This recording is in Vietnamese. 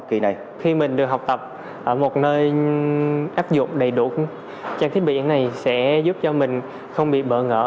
kỳ này khi mình được học tập ở một nơi áp dụng đầy đủ trang thiết bị này sẽ giúp cho mình không bị bỡ ngỡ